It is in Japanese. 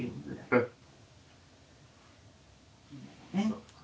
そっか。